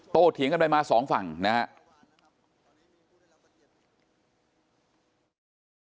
โตเถียงกันด้วยมาสองฝั่งนะฮะ